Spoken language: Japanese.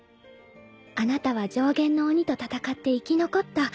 あなたは上弦の鬼と戦って生き残った。